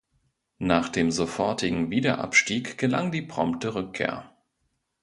Nach dem sofortigen Wiederabstieg gelang die prompte Rückkehr.